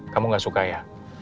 kamu gak suka ya